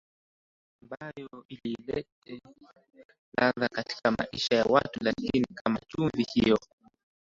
ambayo ilete ladha katika maisha ya watu lakini kama chumvi hiyo